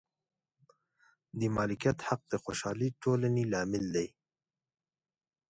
د مالکیت حق د خوشحالې ټولنې لامل دی.